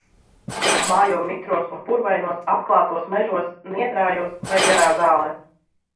Mājo mitros un purvainos, atklātos mežos, niedrājos vai garā zālē.